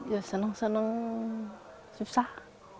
ya senang senang susah